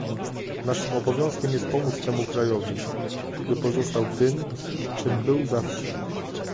Naszym obowiązkiem jest pomóc temu krajowi, by pozostał tym, czym był zawsze